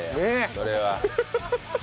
それは。